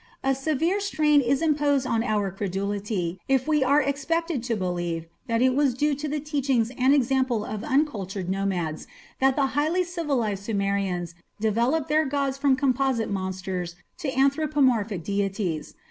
A severe strain is imposed on our credulity if we are expected to believe that it was due to the teachings and example of uncultured nomads that the highly civilized Sumerians developed their gods from composite monsters to anthropomorphic deities.